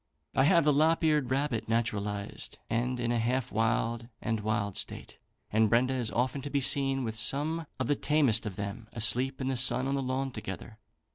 "I have the lop eared rabbit naturalised, and in a half wild and wild state, and Brenda is often to be seen with some of the tamest of them asleep in the sun on the lawn together.